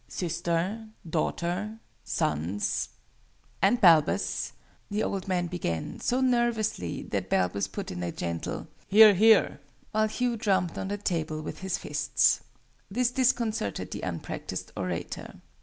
"Sister, daughter, sons and Balbus ," the old man began, so nervously, that Balbus put in a gentle "Hear, hear!" while Hugh drummed on the table with his fists. This disconcerted the unpractised orator.